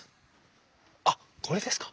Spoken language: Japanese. あっこれですか。